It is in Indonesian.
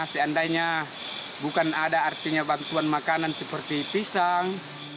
seandainya bukan ada artinya bantuan makanan seperti pisang